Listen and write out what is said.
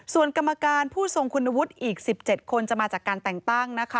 ส่วนกรรมการผู้ทรงคุณวุฒิอีก๑๗คนจะมาจากการแต่งตั้งนะคะ